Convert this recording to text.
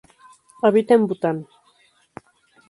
Habita en Bután.